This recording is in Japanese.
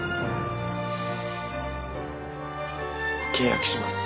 契約します。